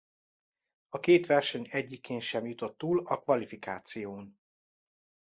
A két verseny egyikén sem jutott túl a kvalifikáción.